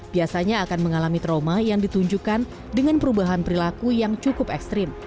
biasanya akan mengalami trauma yang ditunjukkan dengan perubahan perilaku yang cukup ekstrim